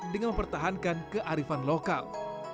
dengan mempertahankan kearifan lokal